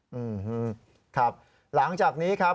อืมครับหลังจากนี้ครับ